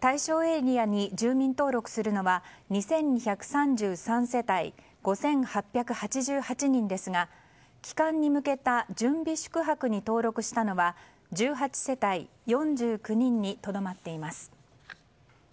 対象エリアに住民登録するのは２２３３世帯５８８８人ですが帰還に向けた準備宿泊に登録したのは１８世帯４９人にとどまっています。